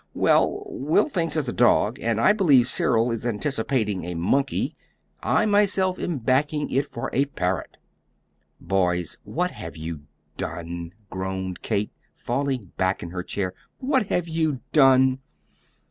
"Well, Will thinks it's a dog, and I believe Cyril is anticipating a monkey. I myself am backing it for a parrot." "Boys, what have you done!" groaned Kate, falling back in her chair. "What have you done!"